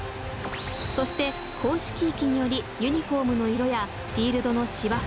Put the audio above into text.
そして広色域によりユニフォームの色やフィールドの芝生